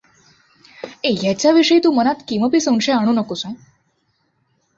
ह्याच्याविषयी तू मनात किमपि संशय आणू नको.